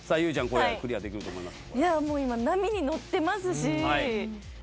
これクリアできると思います？